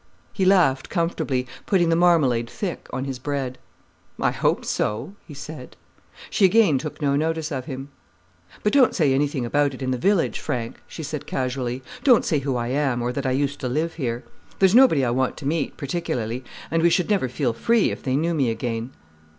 He laughed comfortably, putting the marmalade thick on his bread. "I hope so," he said. She again took no notice of him. "But don't say anything about it in the village, Frank," she said casually. "Don't say who I am, or that I used to live here. There's nobody I want to meet, particularly, and we should never feel free if they knew me again."